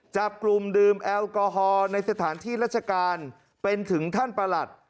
จับกลุ่มดื่มแอลกอฮอล์ในสถานที่ราชการเป็นถึงท่านประหลัด